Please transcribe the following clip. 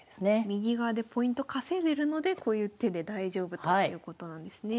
右側でポイント稼いでるのでこういう手で大丈夫ということなんですね。